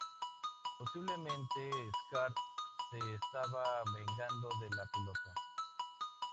Posiblemente Scar se estaba vengando de la piloto.